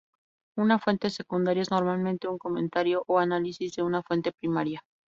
Una fuente secundaria es normalmente un comentario o análisis de una fuente primaria.